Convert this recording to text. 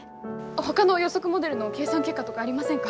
ほかの予測モデルの計算結果とかありませんか？